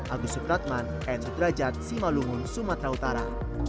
agus supratman nu trajat simalungun sumatera utara